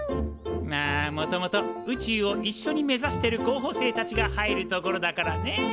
まあもともと宇宙を一緒に目指してる候補生たちが入るところだからね。